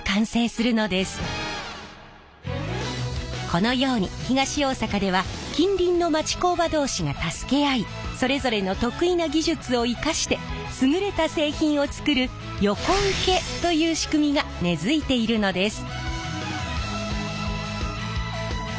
このように東大阪では近隣の町工場同士が助け合いそれぞれの得意な技術を生かして優れた製品を作る横請けという仕組みが根づいているのです。